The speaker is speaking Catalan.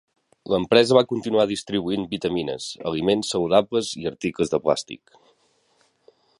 L'empresa va continuar distribuint vitamines, aliments saludables i articles de plàstic.